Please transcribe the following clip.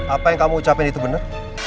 apa yang kamu ucapin itu benar